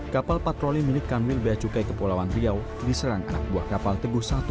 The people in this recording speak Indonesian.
kapal patroli milik kanwil beacukai kepulauan riau diserang anak buah kapal teguh satu